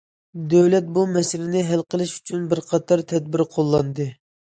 دۆلەت بۇ مەسىلىنى ھەل قىلىش ئۈچۈن بىر قاتار تەدبىر قوللاندى.